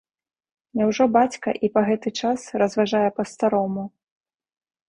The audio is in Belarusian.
Няўжо бацька і па гэты час разважае па-старому?